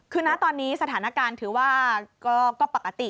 คือนะตอนนี้สถานการณ์ถือว่าก็ปกติ